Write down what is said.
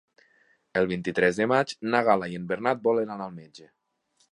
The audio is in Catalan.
El vint-i-tres de maig na Gal·la i en Bernat volen anar al metge.